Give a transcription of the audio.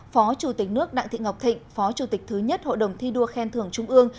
phó chủ tịch nước đặng thị ngọc thịnh phó chủ tịch thứ nhất hội đồng thi đua khen thưởng trung ương